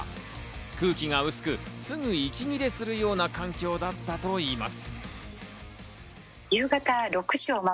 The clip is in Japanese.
空気が薄く、すぐ息切れするような環境だったといいます。